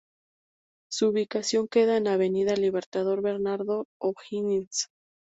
Su ubicación queda en Avenida Libertador Bernardo O'Higgins.